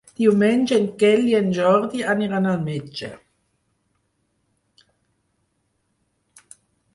Diumenge en Quel i en Jordi aniran al metge.